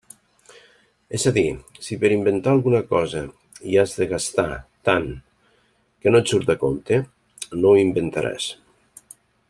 És a dir, si per inventar alguna cosa hi has de gastar tant que no et surt a compte, no ho inventaràs.